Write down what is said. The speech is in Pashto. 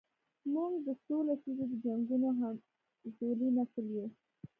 موږ د څو لسیزو د جنګونو همزولی نسل یو.